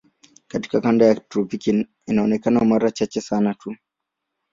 Katika kanda ya tropiki inaonekana mara chache sana tu.